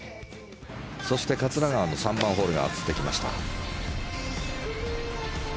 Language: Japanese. そして、桂川の３番ホールが映ってきました。